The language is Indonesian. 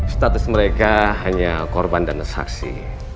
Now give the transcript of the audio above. status mereka hanya korban dan saksi